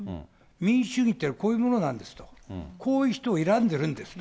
民主主義ってこういうものなんですと、こういう人を選んでるんですと。